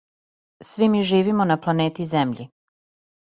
Сви ми живимо на планети Земљи.